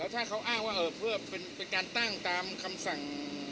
ถ้าเขางว่าเป็นการตั้งตามคำสั่ง